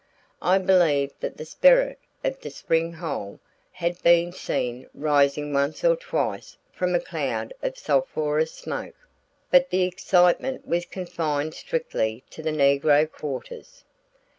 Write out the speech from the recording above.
I believe that the "sperrit of de spring hole" had been seen rising once or twice from a cloud of sulphurous smoke, but the excitement was confined strictly to the negro quarters.